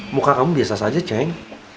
muka kamu biasa saja ceng